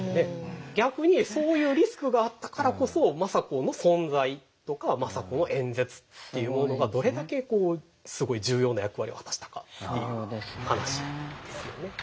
逆にそういうリスクがあったからこそ政子の存在とか政子の演説っていうものがどれだけすごい重要な役割を果たしたかという話ですよね。